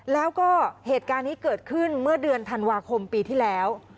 แล้วก็เหตุการณ์นี้เกิดขึ้นเมื่อเดือนธันวาคมปีที่แล้ว